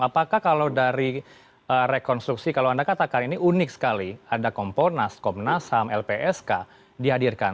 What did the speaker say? apakah kalau dari rekonstruksi kalau anda katakan ini unik sekali ada komponas komnas ham lpsk dihadirkan